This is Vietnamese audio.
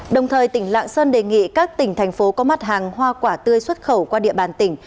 đồng thời tỉnh lạng sơn đề nghị các tỉnh thành phố có mặt hàng hoa quả tươi xuất khẩu qua địa bàn tỉnh